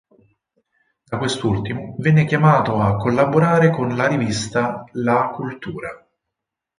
Da quest'ultimo venne chiamato a collaborare con la rivista "La Cultura".